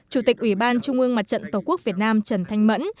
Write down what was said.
chủ tịch ủy ban trung ương mặt trận tổ quốc việt nam trần thanh mẫn